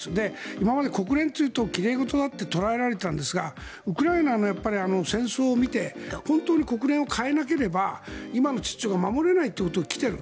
今まで国連というと奇麗事だと捉えられていたんですがウクライナの戦争を見て本当に国連を変えなければ今の秩序が守れないというところに来ている。